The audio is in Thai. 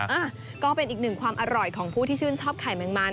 อ่ะก็เป็นอีกหนึ่งความอร่อยของผู้ที่ชื่นชอบไข่แมงมัน